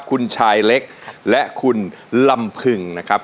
คุณชายเล็กและคุณลำพึงนะครับ